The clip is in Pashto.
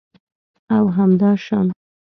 او همداشان